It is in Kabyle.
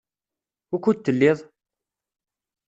Wukud telliḍ?